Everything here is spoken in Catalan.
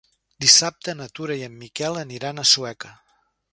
Dissabte na Tura i en Miquel aniran a Sueca.